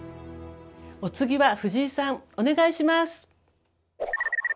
お次は藤井さんお願いします。